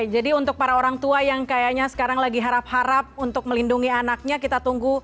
jadi untuk para orang tua yang kayaknya sekarang lagi harap harap untuk melindungi anaknya kita tunggu